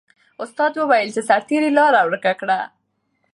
استاد وویل چې سرتیري لاره ورکه کړه.